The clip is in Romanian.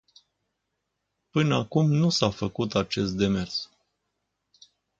Până acum nu s-a făcut acest demers.